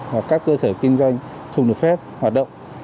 hoặc các cơ sở kinh doanh không được phép hoạt động